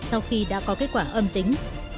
sau khi đã có kết quả âm tính